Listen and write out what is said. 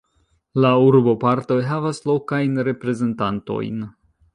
La urbopartoj havas lokajn reprezentantojn.